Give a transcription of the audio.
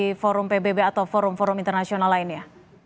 di forum pbb atau forum forum internasional lainnya